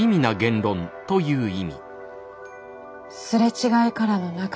すれ違いからの仲たがい。